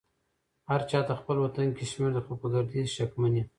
هرچا ته خپل وطن کشمير دې خو په ګرديز شکمن يم